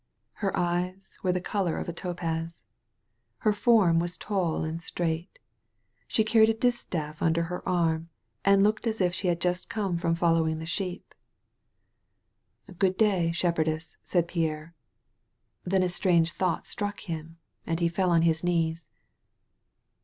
Her eyes were the color of a topaz. Her form was tall and straight. She carried a distaff under her arm and looked as if she had just come from following the sheep. 126 THE MAID OF FRANCE "Good day, shepheidess/' said Pierre. Then a strange thought struck him, and he fell on his knees.